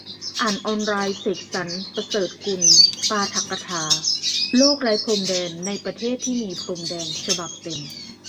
อ่านออนไลน์ เสกสรรค์ ประเสริฐกุล ปาฐกถา "โลกไร้พรมแดนในประเทศที่มีพรมแดน" ฉบับเต็ม